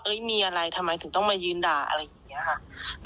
มีอะไรทำไมถึงต้องมายืนด่าอะไรอย่างนี้ค่ะ